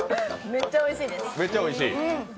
めっちゃおいしいです。